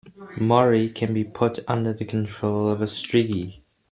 Moroi can be put under the control of a strigoi.